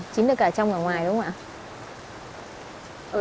chín được cả trong cả ngoài đúng không ạ